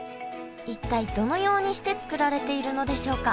一体どのようにして作られているのでしょうか。